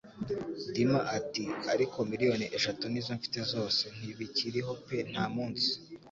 Dima ati: "Ariko miliyoni eshatu nizo mfite zose". "Ntibikiriho pe nta munsi."